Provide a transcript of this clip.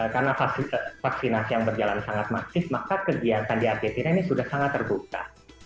karena vaksinasi yang berjalan sangat masif maka kegiatan di argentina ini sudah sangat terbuka